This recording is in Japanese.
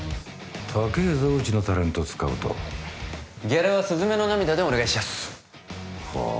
高えぞうちのタレント使うとギャラは雀の涙でお願いしやすはあ？